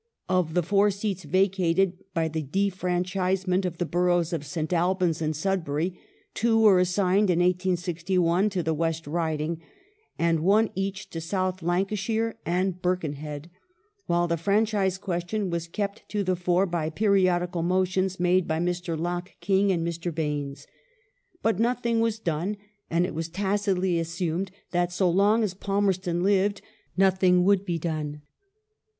Of the four seats vacated by the defranchisement of the boroughs of St. Albans and Sudbury, two were assigned in 1861 to the West Riding, and one each to South Lancashire and Birken head, while the franchise question was kept to the fore by periodical motions made by Mr. Locke King and Mr. Baines. But nothing was done ; and it was tacitly assumed that so long as Palmerston lived nothing would be done.